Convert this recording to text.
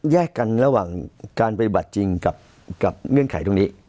แยกกันระหว่างการปฏิบัติจริงกับเงื่อนไขตรงนี้